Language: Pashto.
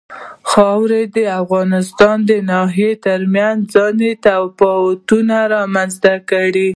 خاوره د افغانستان د ناحیو ترمنځ ځینې تفاوتونه رامنځ ته کوي.